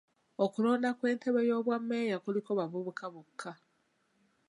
Okulonda kw'entebbe y'obwa meeya kuliko bavubuka bokka.